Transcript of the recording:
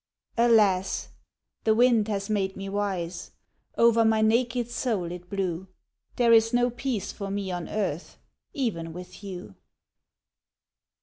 Alas, the wind has made me wise, Over my naked soul it blew, There is no peace for me on earth Even with you.